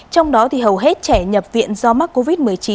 trong đó hầu hết trẻ nhập viện do mắc covid một mươi chín